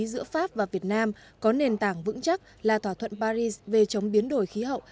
giữa pháp và việt nam có nền tảng vững chắc là thỏa thuận paris về chống biến đổi khí hậu